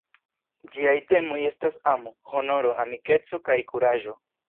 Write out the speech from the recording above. Ĝiaj temoj estas amo, honoro, amikeco kaj kuraĝo.